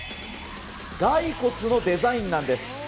骸骨のデザインなんです。